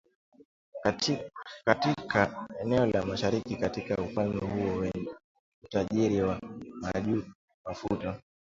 katika eneo la mashariki katika ufalme huo wenye utajiri wa mafuta